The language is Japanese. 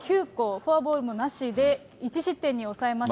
フォアボールもなしで１失点に抑えました。